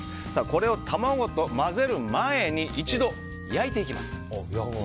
これを卵と混ぜる前に一度、焼いていきます。